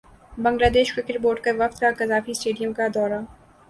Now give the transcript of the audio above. Bangladesh cricket board کے وفد کا قذافی اسٹیڈیم کا دورہ